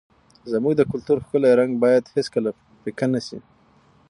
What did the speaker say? زموږ د کلتور ښکلی رنګ باید هېڅکله پیکه نه سي.